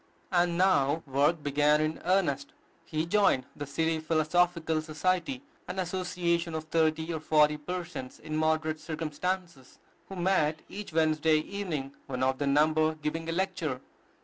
And now work began in earnest. He joined the City Philosophical Society, an association of thirty or forty persons in moderate circumstances, who met each Wednesday evening, one of their number giving a lecture.